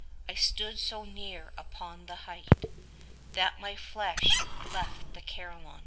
I stood so near upon the height 35 That my flesh left the Carillon.